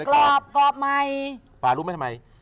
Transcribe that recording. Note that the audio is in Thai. กรอบใหม่